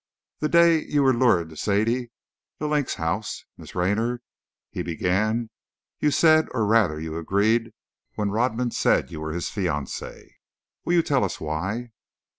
"That day you were lured to Sadie 'The Link's' house, Miss Raynor," he began, "you said, or rather, you agreed when Rodman said you were his fiancée. Will you tell us why?"